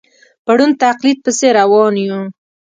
په ړوند تقلید پسې روان یو.